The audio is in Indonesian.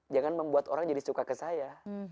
jangan membuat orang jadi suka ke saya